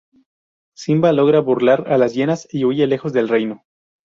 Simba logra burlar a las hienas y huye lejos del reino.